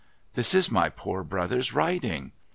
' This is my poor brother's writing